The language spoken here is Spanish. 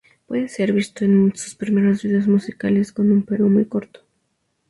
Puede ser visto en sus primeros vídeos musicales con un pelo muy corto.